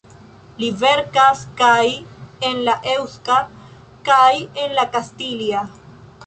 Li verkas kaj en la eŭska kaj en la kastilia.